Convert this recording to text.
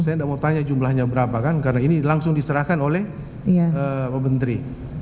saya tidak mau tanya jumlahnya berapa kan karena ini langsung diserahkan oleh pak menteri